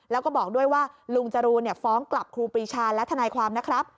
แล้วก็บอกด้วยว่าลุงจรูนฟ้องกลับครูปรีชาและทนายความนะครับ